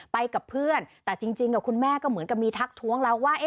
ไปกับเพื่อนแต่จริงกับคุณแม่ก็เหมือนกับมีทักท้วงแล้วว่า